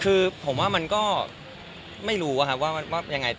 คือผมว่ามันก็ไม่รู้ว่ายังไง